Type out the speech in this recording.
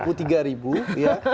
intinya masih ada dua puluh tiga